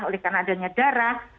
oleh karena adanya darah